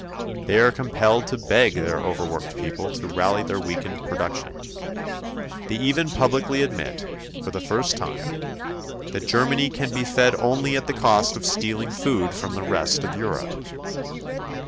They are compelled to beg their overworked people to rally their weakened production. They even publicly admit, for the first time, that Germany can be fed only at the cost of stealing food from the rest of Europe.